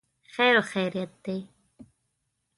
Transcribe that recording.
خیر خیریت دی.